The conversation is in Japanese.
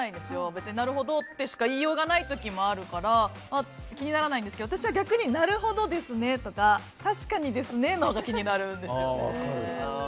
別になるほどとしか言いようがない時もあるから気にならないんですけど私は逆に、なるほどですねとか確かにですねのほうが気になるんですよね。